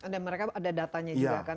dan mereka ada datanya juga kan